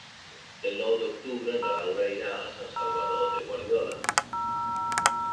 El nou d'octubre na Laura irà a Sant Salvador de Guardiola.